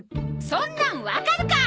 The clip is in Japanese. そんなんわかるか！